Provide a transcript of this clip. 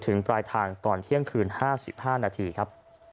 ปลายทางตอนเที่ยงคืน๕๕นาทีครับ